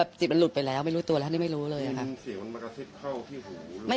เป้ยหลักหลุดไปแล้วไม่รู้ตัวแล้วจะไม่รู้เลยค่ะ